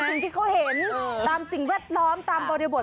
สิ่งที่เขาเห็นตามสิ่งแวดล้อมตามบริบท